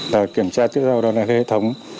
và kiểm tra tiếp theo đó là hệ thống